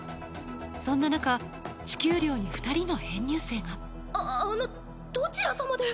そんななか地球寮に二人の編入生があのどちらさまで。